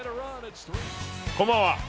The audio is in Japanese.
こんばんは。